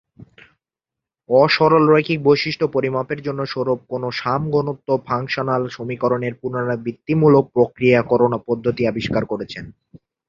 অ-সরলরৈখিক বৈশিষ্ট্য পরিমাপের জন্য সৌরভ কোন-শাম ঘনত্ব ফাংশনাল সমীকরণের পুনরাবৃত্তিমূলক প্রক্রিয়াকরণ পদ্ধতি আবিষ্কার করেছেন।